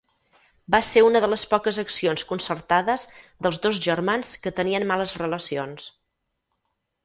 Va ser una de les poques accions concertades dels dos germans que tenien males relacions.